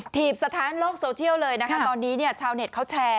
ีบสถานโลกโซเชียลเลยนะคะตอนนี้เนี่ยชาวเน็ตเขาแชร์